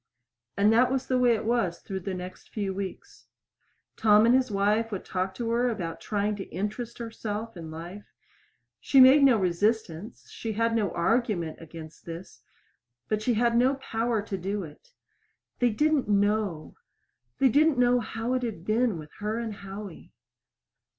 And that was the way it was through the next few weeks. Tom and his wife would talk to her about trying to interest herself in life. She made no resistance, she had no argument against this; but she had no power to do it. They didn't know they didn't know how it had been with her and Howie.